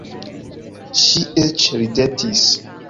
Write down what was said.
Ŝi eĉ ridetis.